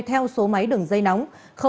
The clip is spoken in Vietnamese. theo số máy đừng dây nóng